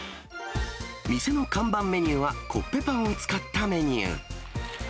店の看板メニューはコッペパンを使ったメニュー。